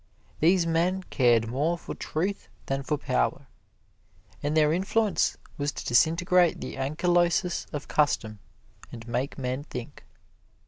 These men cared more for truth than for power, and their influence was to disintegrate the ankylosis of custom and make men think.